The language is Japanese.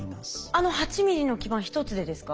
あの８ミリの基板１つでですか？